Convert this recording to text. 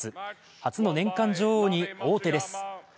初の年間女王に王手です。